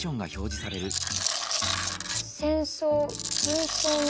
「戦争・紛争の原因」。